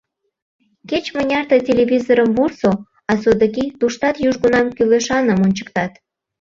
Кеч-мыняр тый телевизорым вурсо, а содыки туштат южгунам кӱлешаным ончыктат.